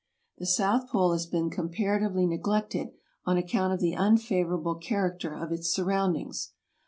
The south pole has been comparatively neglected on account of the unfavorable character of its surroundings.